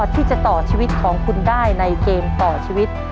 ที่จะต่อชีวิตของคุณได้ในเกมต่อชีวิต